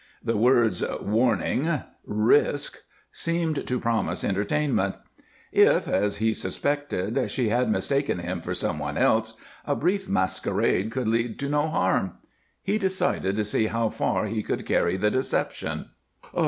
The words "warning," "risk" seemed to promise entertainment. If, as he suspected, she had mistaken him for some one else, a brief masquerade could lead to no harm. He decided to see how far he could carry the deception.